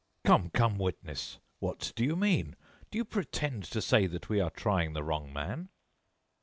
"Come, come, witness! What do you mean? Do you pretend to say that we are trying the wrong man?"